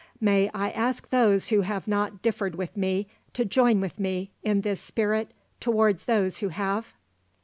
May I ask those who have not differed with me to join with me in this spirit towards those who have?"